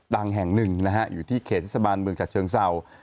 ดังแห่งหนึ่งนะฮะอยู่ที่เขตเทศบาลเมืองฉัดเชิงเศร้า